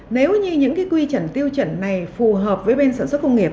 nếu như những cái quy trần tiêu chuẩn này phù hợp với bên sản xuất công nghiệp